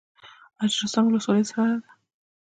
اجرستان ولسوالۍ سړه ده؟